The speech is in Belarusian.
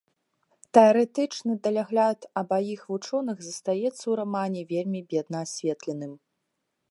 Тэарэтычны далягляд абаіх вучоных застаецца ў рамане вельмі бедна асветленым.